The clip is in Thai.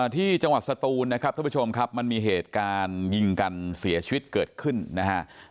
ที่จังหวัดสตูนนะครับท่านผู้ชมครับมันมีเหตุการณ์ยิงกันเสียชีวิตเกิดขึ้นนะฮะ